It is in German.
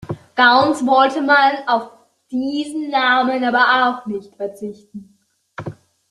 Ganz wollte man auf diesen Namen aber auch nicht verzichten.